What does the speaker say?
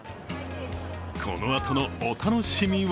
このあとのお楽しみは？